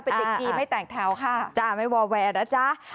เป็นเด็กดีไม่แตกแถวค่ะจ้าไม่วอแวร์นะจ๊ะ